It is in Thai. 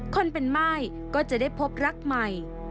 คนเป็นม่ายก็จะได้พบรักใหม่